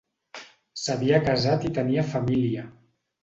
S'havia casat i tenia família.